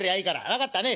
分かったね。